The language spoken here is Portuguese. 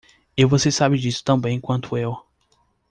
E você sabe disso tão bem quanto eu.